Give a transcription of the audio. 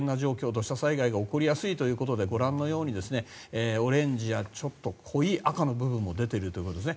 土砂災害が起こりやすいということでご覧のようにオレンジや濃い赤の部分も出ているということです。